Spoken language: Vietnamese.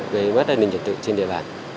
gây mất an ninh nhật tự trên địa bàn